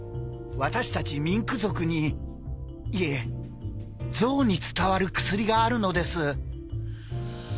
私たちミンク族にいえゾウに伝わる薬があるのです。